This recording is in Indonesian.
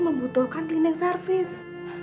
membutuhkan cleaning service